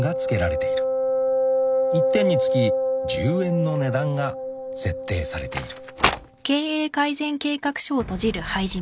［１点につき１０円の値段が設定されている］